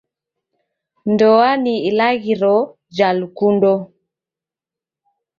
Ndoa ni ilaghiro ja lukundo.